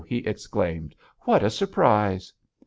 he exclaimed; 'what a surprise!'